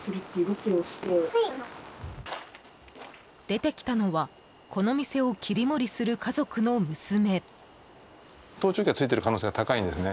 出てきたのはこの店を切り盛りする家族の娘。